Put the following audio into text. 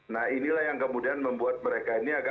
nah inilah yang kemudian membuat mereka ini agak